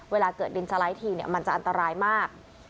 เวลาเกิดดินสไลด์ทีมันจะอันตรายมาก